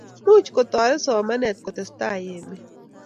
much kotoret somanee kutestaai emet